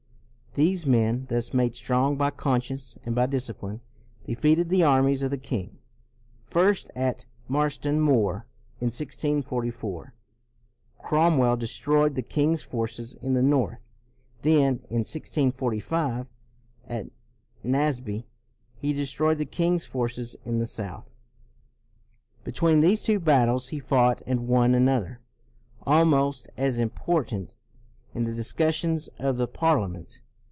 These men, thus made strong by con science and by discipline, defeated the armies of the king. First at Marston Moor, in 1644, Cromwell destroyed the 246 CROMWELL king's forces in the north; then, in 1645, at Naseby, he destroyed the king's forces in the south. Between these two battles he fought and won another, almost as important, in the discussions of the Parliament.